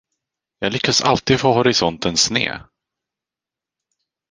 Jag lyckas alltid få horisonten sned.